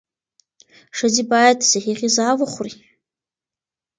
ښځې باید صحي غذا وخوري.